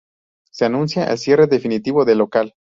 Se anuncia el cierre definitivo del local.